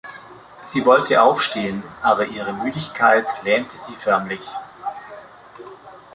Sie wollte aufstehen, aber ihre Müdigkeit lähmte sie förmlich.